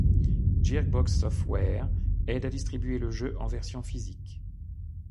Gearbox Software aide à distribuer le jeu en version physique.